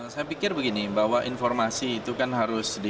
saya pikir begini bahwa informasi itu kan harus di